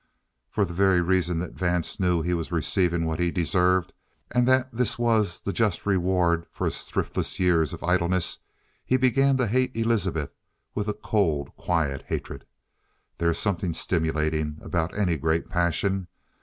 For the very reason that Vance knew he was receiving what he deserved, and that this was the just reward for his thriftless years of idleness, he began to hate Elizabeth with a cold, quiet hatred. There is something stimulating about any great passion.